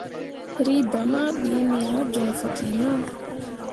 Reba ma ɓii me ah joŋ fah kino.